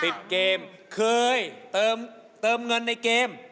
ติดเกมเคยเติมเงินในเกม